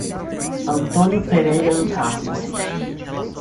Antônio Pereira do Carmo